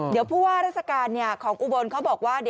เดี๋ยวผู้ว่าราชการของอุบลเขาบอกว่า